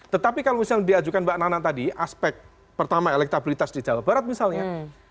tetapi kalau misalnya diajukan mbak nana tadi aspek pertama elektabilitas di jawa barat misalnya